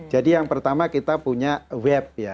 jadi yang pertama kita punya web